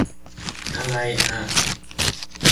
อะไรอ่ะ